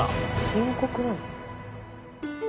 深刻なの？